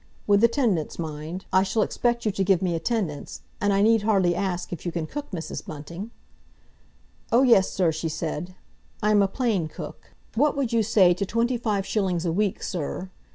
"With attendance, mind! I shall expect you to give me attendance, and I need hardly ask if you can cook, Mrs. Bunting?" "Oh, yes, sir," she said. "I am a plain cook. What would you say to twenty five shillings a week, sir?"